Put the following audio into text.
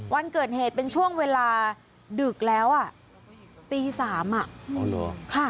วันเกิดเหตุเป็นช่วงเวลาดึกแล้วตี๓ค่ะ